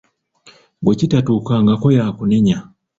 Gwe kitatuukangako y’akunenya.